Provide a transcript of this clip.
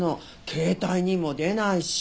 携帯にも出ないし。